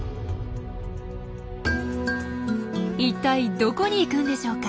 一体どこに行くんでしょうか？